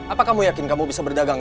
apa kamu yakin kamu bisa berdagang